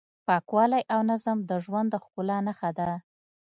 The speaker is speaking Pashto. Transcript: پاکوالی او نظم د ژوند د ښکلا نښه ده.